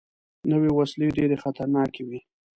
نوې وسلې ډېرې خطرناکې وي